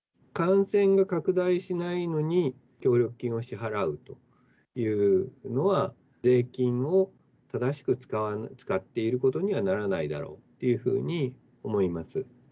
感染が拡大しないのに、協力金を支払うというのは税金を正しく使っていることにはならないだろうというふうに思います。